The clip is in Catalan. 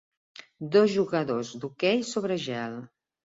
Dos jugadors d'hoquei sobre gel